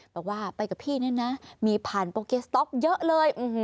บอกว่าไปกับพี่เนี่ยนะมีผ่านโปเกสต๊อกเยอะเลย